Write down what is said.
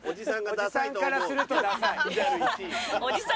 オジさんからするとダサい。